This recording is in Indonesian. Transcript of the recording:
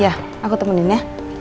yaa aku temanin ya